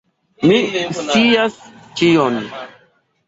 Mi scias ĉion.